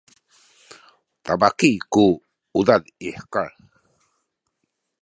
tabaki ku udad i hekal